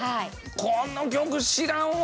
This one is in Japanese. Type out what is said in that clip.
「この曲知らんわ」